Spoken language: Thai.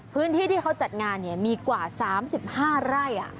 พื้นที่ที่เขาจัดงานมีกว่า๓๕ไร่